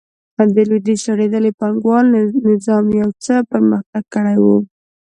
د لوېدیځ شړېدلي پانګوال نظام یو څه پرمختګ کړی و.